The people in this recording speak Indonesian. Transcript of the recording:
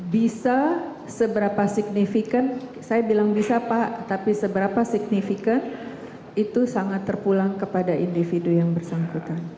bisa seberapa signifikan saya bilang bisa pak tapi seberapa signifikan itu sangat terpulang kepada individu yang bersangkutan